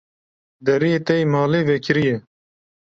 Deriyê te yê malê vekirî ye.